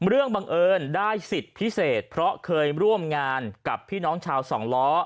บังเอิญได้สิทธิ์พิเศษเพราะเคยร่วมงานกับพี่น้องชาวสองล้อ